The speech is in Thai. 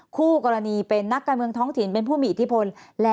คู่กรณีเป็นนักการเมืองท้องถิ่นเป็นผู้มีอิทธิพล